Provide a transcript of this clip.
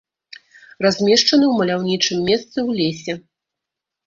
Размешчаны ў маляўнічым месцы ў лесе.